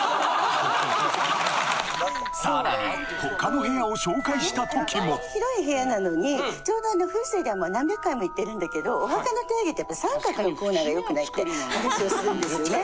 さらに他の部屋を紹介した時もこんなに広い部屋なのにちょうど風水ではもう何百回も言ってるんだけどお墓の定義って三角のコーナーが良くないって話をするんですよね。